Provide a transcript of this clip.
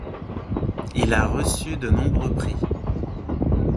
Il a reçu de nombreux prix.